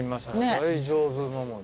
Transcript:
大丈夫守。